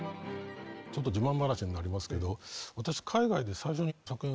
ちょっと自慢話になりますけどあぁ。